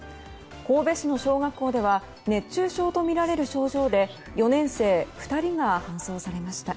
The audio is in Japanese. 神戸市の小学校では熱中症とみられる症状で４年生２人が搬送されました。